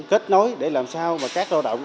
kết nối để làm sao mà các lao động